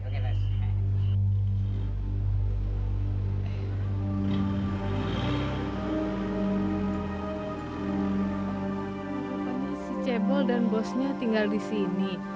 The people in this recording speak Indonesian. sebenarnya si cebol dan bosnya tinggal di sini